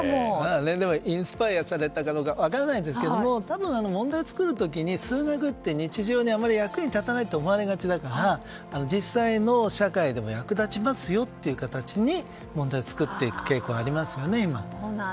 インスパイアされたかどうか分からないですけどもたぶん、問題を作る時に数学って日常にあまり役に立たないと思われがちだから実際の社会でも役立ちますよという形に問題を作っていく傾向がありますよね。